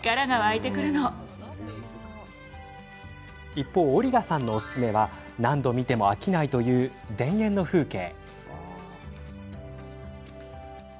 一方、オリガさんのおすすめは何度見ても飽きないという田園の風景。